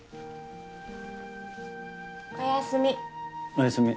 おやすみ。